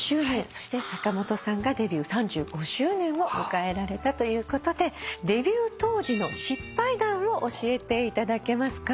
そして坂本さんがデビュー３５周年を迎えられたということでデビュー当時の失敗談を教えていただけますか？